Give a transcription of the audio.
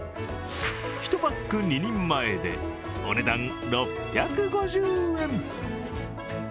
１パック２人前でお値段６５０円。